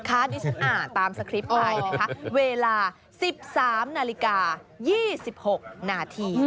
ดิฉันอ่านตามสคริปต์ไปนะคะเวลา๑๓นาฬิกา๒๖นาที